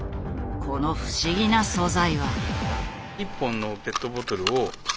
この不思議な素材は。